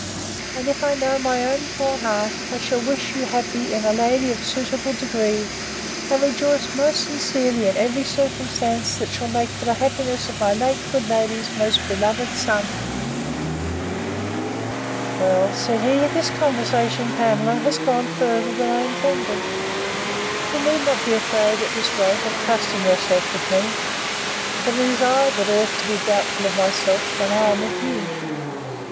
And, if I know my own poor heart, I shall wish you happy in a lady of suitable degree; and rejoice most sincerely in every circumstance that shall make for the happiness of my late good lady's most beloved son. Well, said he, this conversation, Pamela, is gone farther than I intended it. You need not be afraid, at this rate, of trusting yourself with me: but it is I that ought to be doubtful of myself, when I am with you.